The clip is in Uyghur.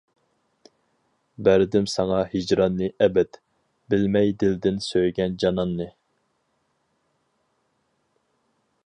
بەردىم ساڭا ھىجراننى ئەبەد، بىلمەي دىلدىن سۆيگەن جاناننى.